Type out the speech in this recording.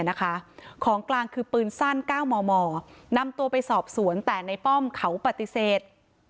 ของกลางคือปืนสั้น๙มมนำตัวไปสอบสวนแต่ในป้อมเขาปฏิเสธ